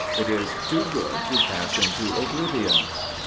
It is too good to pass into oblivion.